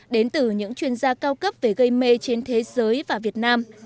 đến từ những chuyên gia cao cấp về gây mê trên thế giới và việt nam